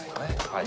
はい。